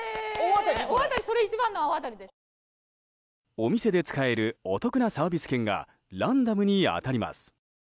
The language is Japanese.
お店で使えるお得なサービス券がランダムに当たります。